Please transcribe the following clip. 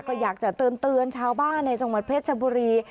ก็อยากจะเตือนชาวบ้านในจังหวัดเพชรชบุรี